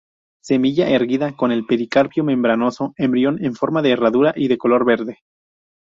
Semilla erguida con pericarpio membranoso, embrión en forma de herradura y de color verde.